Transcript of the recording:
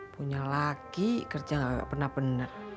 punya lagi kerja gak pernah pernah